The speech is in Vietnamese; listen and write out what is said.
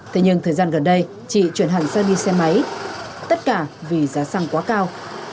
thế nhưng thời gian gần đây chị chuyển hẳn sang đi xe máy tất cả vì giá xăng quá cao